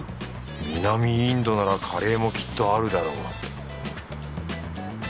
南インドならカレーもきっとあるだろう